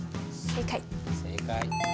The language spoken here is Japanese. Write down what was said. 正解！